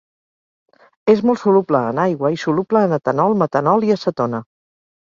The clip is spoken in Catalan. És molt soluble en aigua i soluble en etanol, metanol i acetona.